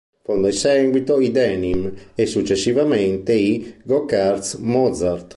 Fonda in seguito i Denim e successivamente i Go Kart Mozart.